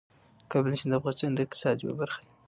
د کابل سیند د افغانستان د اقتصاد یوه برخه ده.